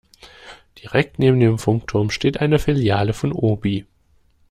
Direkt neben dem Funkturm steht eine Filiale von Obi.